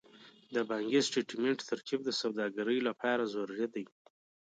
د بانکي سټېټمنټ ترتیب د سوداګرۍ لپاره ضروري دی.